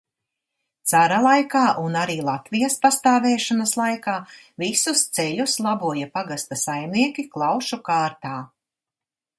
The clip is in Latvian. Cara laikā un arī Latvijas pastāvēšanas laikā visus ceļus laboja pagasta saimnieki klaušu kārtā.